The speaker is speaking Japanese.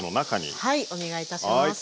はいお願いいたします。